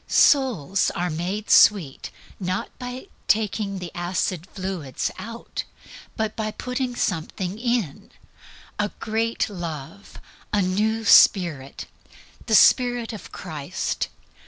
Souls are made sweet not by taking the acid fluids out, but by putting something in a great Love, a new Spirit, the Spirit of Christ.